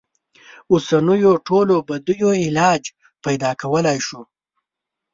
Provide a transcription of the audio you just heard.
اوسنیو ټولو بدیو علاج پیدا کولای شو.